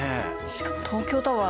しかも東京タワー